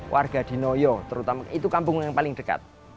warga di noyo terutama itu kampung yang paling dekat